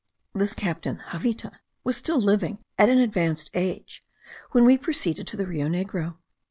This captain, Javita, was still living, at an advanced age, when we proceeded to the Rio Negro.